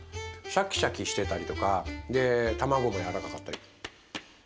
シャキシャキしてたりとかでたまごも柔らかかったり。